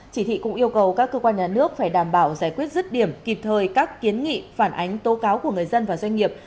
chỉ thị cũng yêu cầu các cơ quan nhà nước phải đảm bảo giải quyết rứt điểm kịp thời các kiến nghị phản ánh tố cáo của người dân và doanh nghiệp